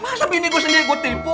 masa bini gue sendiri yang gue tipu